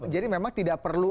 jadi memang tidak perlu